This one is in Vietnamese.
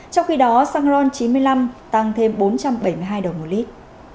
trong khi đó xăng ron chín mươi năm tăng thêm bốn trăm bảy mươi hai đồng một lít